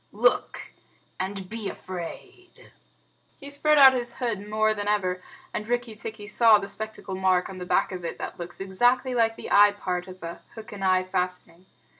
Look, and be afraid!" He spread out his hood more than ever, and Rikki tikki saw the spectacle mark on the back of it that looks exactly like the eye part of a hook and eye fastening.